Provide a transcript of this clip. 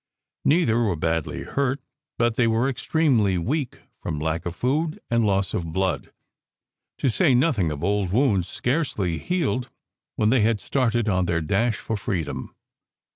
Neither were badly hurt, but they were extremely weak from lack of food and loss of blood, to say nothing of old wounds scarcely healed when they had started on their dash for free dom.